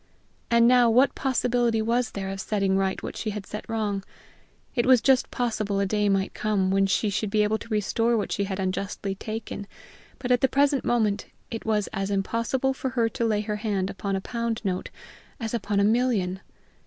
And now what possibility was there of setting right what she had set wrong? It was just possible a day might come when she should be able to restore what she had unjustly taken, but at the present moment it was as impossible for her to lay her hand upon a pound note as upon a million.